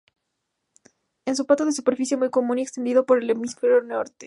Es un pato de superficie muy común y extendido por el hemisferio norte.